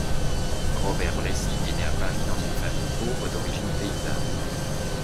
Robert Brécy est né à Paris dans une famille pauvre d'origine paysanne.